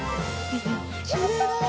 きれいだね。